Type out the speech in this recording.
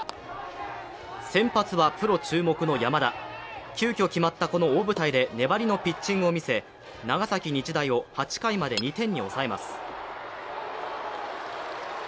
先発はプロ注目の山田、急きょ決まったこの大舞台で粘りのピッチングを見せ長崎日大を８回まで２点に抑えます。